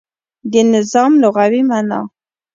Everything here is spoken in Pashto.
د نظام لغوی معنا